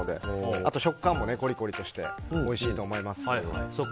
あと、食感もコリコリしておいしいです。